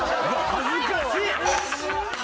恥ずかしい！